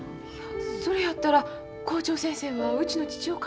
それやったら校長先生はうちの父をかぼて？